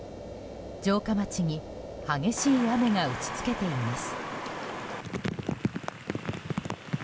城下町に激しい雨が打ち付けています。